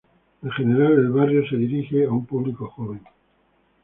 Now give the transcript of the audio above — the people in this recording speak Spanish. En general, el barrio se dirige a un público joven.